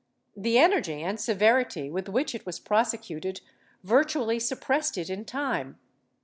^ The energy and severity with which it was prosecuted virtually suppressed it in time.